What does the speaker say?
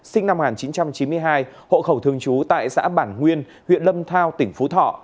sinh năm một nghìn chín trăm chín mươi hai hộ khẩu thường trú tại xã bản nguyên huyện lâm thao tỉnh phú thọ